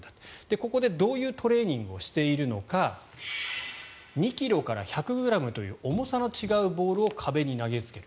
ここでどういうトレーニングをしているのか２ｋｇから１００ｇという重さの違うボールを壁に投げつける。